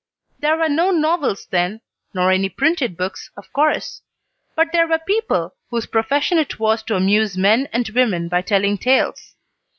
There were no novels then, nor any printed books, of course; but there were people whose profession it was to amuse men and women by telling tales.